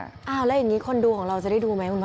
แล้วอย่างนี้คนดูของเราจะได้ดูไหมบ้าง